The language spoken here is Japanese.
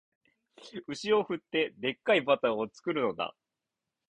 牛を振って、デッカいバターを作るのだ